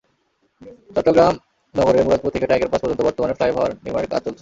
চট্টগ্রাম নগরের মুরাদপুর থেকে টাইগারপাস পর্যন্ত বর্তমানে ফ্লাইওভার নির্মাণের কাজ চলছে।